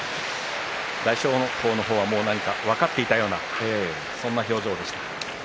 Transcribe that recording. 大翔鵬の方は分かっていたようなそんな表情でした。